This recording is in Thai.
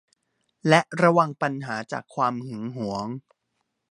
และระวังปัญหาจากความหึงหวง